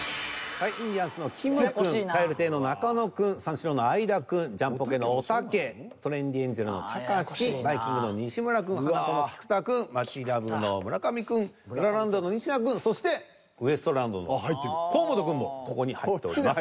インディアンスのきむくん蛙亭の中野くん三四郎の相田くんジャンポケのおたけトレンディエンジェルのたかしバイきんぐの西村くんハナコの菊田くんマヂラブの村上くんラランドのニシダくんそしてウエストランドの河本くんもここに入っております。